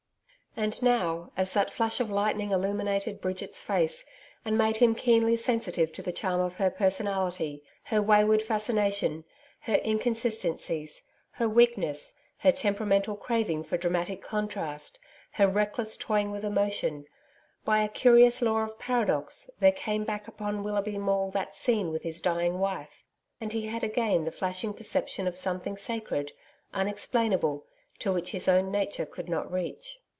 And now as that flash of lightning illuminated Bridget's face and made him keenly sensitive to the charm of her personality her wayward fascination, her inconsistencies, her weakness, her temperamental craving for dramatic contrast, her reckless toying with emotion by a curious law of paradox, there came back upon Willoughby Maule that scene with his dying wife, and he had again the flashing perception of something sacred, unexplainable, to which his own nature could not reach.